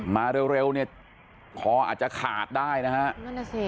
มาเร็วเร็วเนี่ยคออาจจะขาดได้นะฮะ